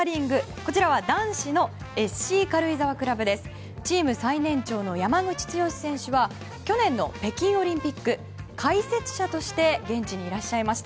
こちらは男子のＳＣ軽井沢クラブチーム最年長の山口剛史選手は去年の北京オリンピック解説者として現地にいらっしゃいました。